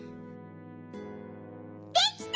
できた！